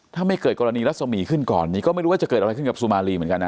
ถ้าไม่เกิดกรณีรัศมีร์ขึ้นก่อนนี้ก็ไม่รู้ว่าจะเกิดอะไรขึ้นกับสุมารีเหมือนกันนะ